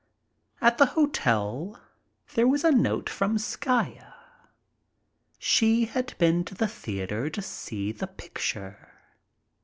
At the hotel there was a note from Skaya. She had been to the theater to see the picture.